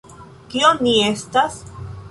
Kio ni estas?